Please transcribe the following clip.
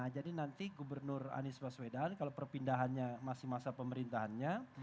jadi nanti gubernur anies baswedan kalau perpindahannya masih masa pemerintahannya